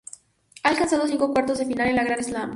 Ha alcanzado cinco cuartos de final en los Grand Slam.